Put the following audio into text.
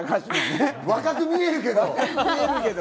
若く見えるけど。